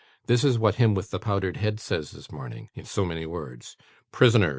This is what him with the powdered head says this morning, in so many words: "Prisoner!